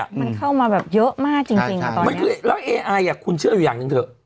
มันเข้ามาแบบเยอะมากจริงจริงอ่ะตอนมันคือแล้วเอไออ่ะคุณเชื่ออยู่อย่างหนึ่งเถอะ